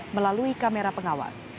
melalui kamera pengawas